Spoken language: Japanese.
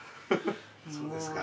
そうですか。